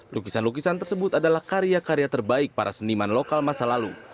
lukisan lukisan tersebut adalah karya karya terbaik para seniman lokal masa lalu